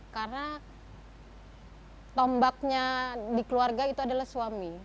karena tombaknya di keluarga itu adalah suami